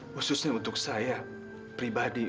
khususnya untuk saya pribadi